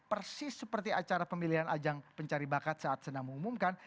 persis seperti acara pemilihan ajang pencari bakat saat senang mengumumkan